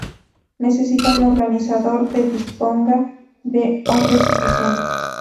Necesita un organizador que disponga de hombres suficientes.